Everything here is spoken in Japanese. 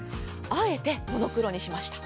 あえてモノクロにしました。